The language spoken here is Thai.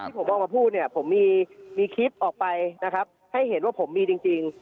ผมออกมาพูดเนี่ยผมมีคลิปออกไปนะครับให้เห็นว่าผมมีจริง